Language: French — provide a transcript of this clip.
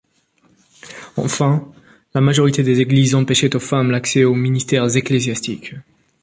Enfin, la majorité des églises empêchaient aux femmes l'accès aux ministères ecclésiastiques.